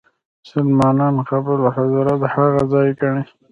مسلمانان قبه الصخره هغه ځای ګڼي.